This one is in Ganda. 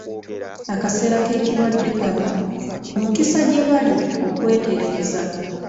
Akaseera k'ekirwadde kano mukisa gye bali okweetereza.